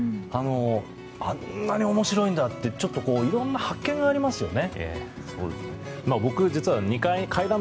あんなにおもしろいんだっていろんな発見がありますよね。